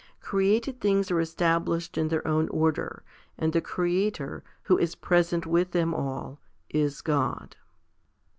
Created things are established in their own order, and the Creator, who is present with them all, is God.